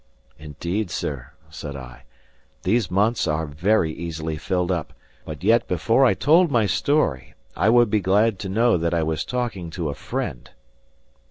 "Indeed, sir," said I, "these months are very easily filled up; but yet before I told my story, I would be glad to know that I was talking to a friend."